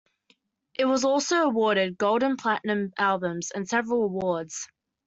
It was also awarded gold and platinum albums, and several awards.